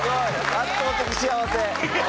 圧倒的幸せ。